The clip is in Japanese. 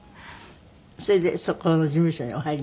それでそこの事務所にお入りになったの？